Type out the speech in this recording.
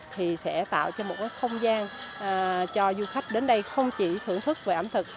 thì sẽ tạo cho một cái không gian cho du khách đến đây không chỉ thưởng thức về ẩm thực